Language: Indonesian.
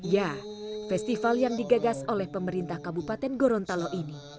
ya festival yang digagas oleh pemerintah kabupaten gorontalo ini